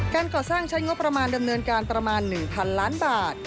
การก่อสร้างใช้งบประมาณดำเนินการประมาณ๑๐๐๐ล้านบาท